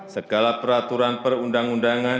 segala peraturan perundang undangan